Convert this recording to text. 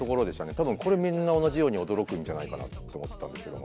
多分これみんな同じように驚くんじゃないかなって思ったんですけども。